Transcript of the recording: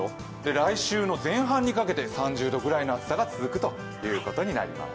来週の前半にかけて３０度ぐらいの暑さが続くことになります。